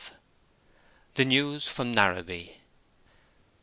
THE NEWS FROM NARRABEE.